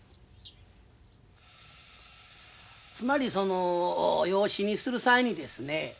つまりその養子にする際にですね